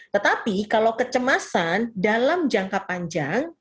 tetapi kalau kecemasan dalam jangka panjang